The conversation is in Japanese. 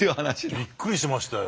びっくりしましたよ。